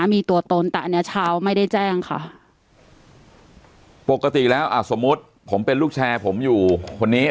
มีตัวตนแต่อันนี้เช้าไม่ได้แจ้งค่ะปกติแล้วอ่ะสมมุติผมเป็นลูกแชร์ผมอยู่คนนี้